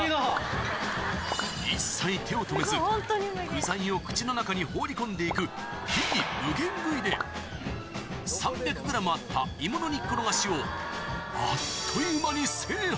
一切手を止めず、具材を口の中に放り込んでいく秘儀、無限食いで、３００グラムあった芋の煮っころがしを、あっという間に制覇。